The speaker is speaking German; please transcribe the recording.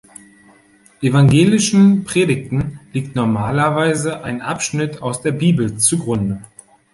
Evangelischen Predigten liegt normalerweise ein Abschnitt aus der Bibel zugrunde.